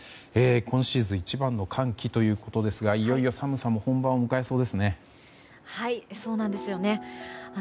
今シーズン一番の寒気ということですがいよいよ寒さも本番を迎えそうですね。